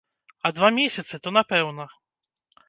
А два месяцы, то напэўна.